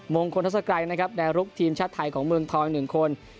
มงคต์สะกายนะครับทีมชัดไทยของเมืองเท้าอีก๑คน